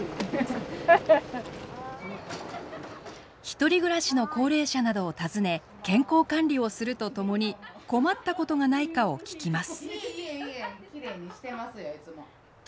独り暮らしの高齢者などを訪ね健康管理をするとともに困ったことがないかを聞きます。